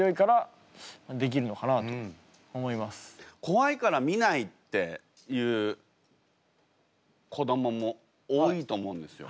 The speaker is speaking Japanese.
「こわいから見ない」っていう子どもも多いと思うんですよ。